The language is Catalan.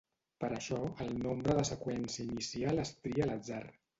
Per això, el nombre de seqüència inicial es tria a l'atzar.